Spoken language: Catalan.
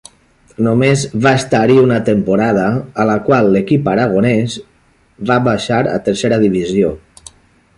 Només va estar-hi una temporada, a la qual l'equip aragonès va baixar a Tercera divisió.